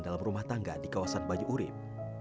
dalam rumah tangga di kawasan banyu urib